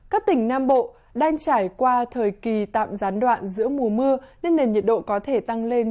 các tỉnh nam bộ đang trải qua thời kỳ tạm gián đoạn giữa mùa mưa nên nền nhiệt độ có thể tăng lên